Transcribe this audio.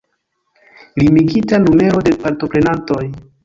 Limigita numero de partoprenantoj.